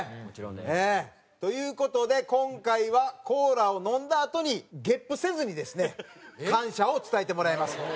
もちろんです。という事で今回はコーラを飲んだあとにゲップせずにですね感謝を伝えてもらいます。